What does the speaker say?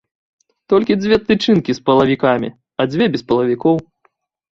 Толькі дзве тычынкі з пылавікамі, а дзве без пылавікоў.